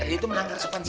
itu menanggar sukan saya